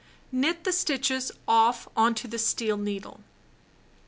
Knit the stitches off on to the steel needle.